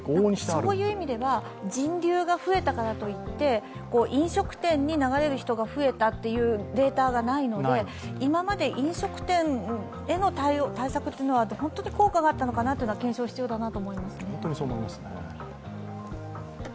そういう意味では人流が増えたからといって飲食店に流れる人が増えたっていうデータがないので今まで飲食店への対策が本当に効果があったのかは検証が必要だなと思います。